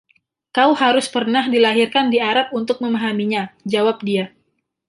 “Kau harus pernah dilahirkan di Arab untuk memahaminya,” Jawab dia.